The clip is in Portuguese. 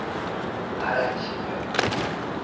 Aratiba